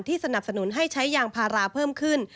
สนับสนุนให้ใช้ยางพาราเพิ่มขึ้น